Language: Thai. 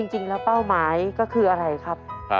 จริงแล้วเป้าหมายก็คืออะไรครับ